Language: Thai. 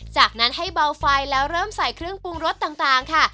จากนั้นให้เบาไฟแล้วเริ่มใส่เครื่องปรุงรสต่างค่ะ